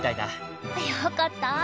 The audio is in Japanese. よかった。